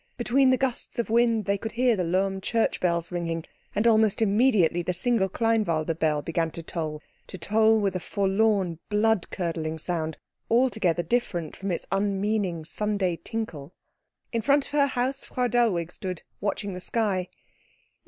Between the gusts of wind they could hear the Lohm church bells ringing; and almost immediately the single Kleinwalde bell began to toll, to toll with a forlorn, blood curdling sound altogether different from its unmeaning Sunday tinkle. In front of her house Frau Dellwig stood, watching the sky.